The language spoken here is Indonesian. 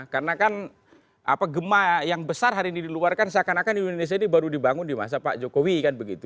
karena kan gemah yang besar hari ini diluarkan seakan akan indonesia ini baru dibangun di masa pak jokowi kan begitu